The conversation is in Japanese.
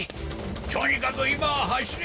とにかく今は走れ！